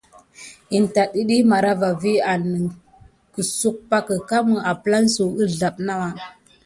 In tat əɗiy marava vi an nəgəsuk pake. Kame aplan suw əzlaɓe nawa.